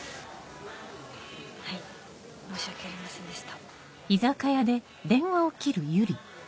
はい申し訳ありませんでした。